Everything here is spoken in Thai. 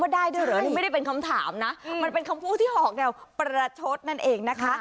ได้ไม่ได้เป็นคำถามนะเป็นคำพูดที่หอกแบบประชดนั่นเองนะคะ